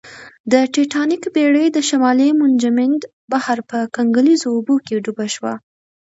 د ټیټانیک بېړۍ د شمالي منجمند بحر په کنګلیزو اوبو کې ډوبه شوه